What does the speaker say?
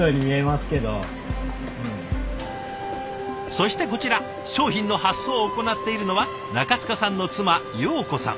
そしてこちら商品の発送を行っているのは中塚さんの妻瑶子さん。